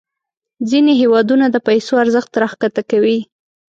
ځینې هیوادونه د پیسو ارزښت راښکته کوي.